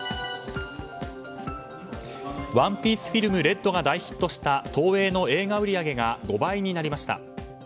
「ＯＮＥＰＩＥＣＥＦＩＬＭＲＥＤ」が大ヒットした東映の映画売り上げが５倍になりました。